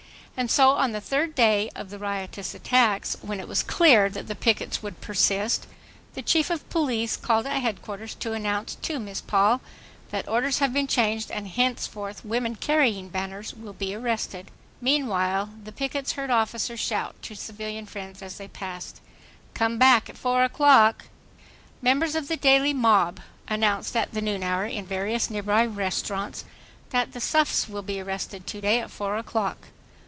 And so on the third day of the riotous attacks, when it was clear that the pickets would persist, the Chief of Police called at headquarters to announce to Miss Paul that "orders have been changed and henceforth women carrying banners will be arrested" Meanwhile the pickets heard officers shout to civilian friends as they passed—"Come back at four o'clock." Members of the daily mob announced at the noon hour in various nearby restaurants that "the suffs will be arrested to day at 4 o'clock."